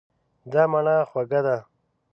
دا مڼه خوږه ده.